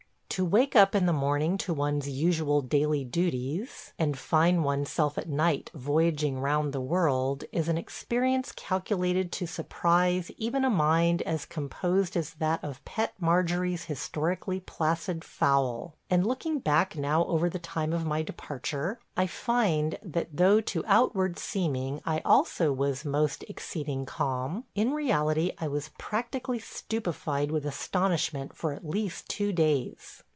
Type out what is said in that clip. ... To wake up in the morning to one's usual daily duties and find one's self at night voyaging round the world is an experience calculated to surprise even a mind as composed as that of Pet Marjorie's historically placid fowl; and looking back now over the time of my departure I find that, though to outward seeming I also was "... most exceeding ca'm," in reality I was practically stupefied with astonishment for at least two days.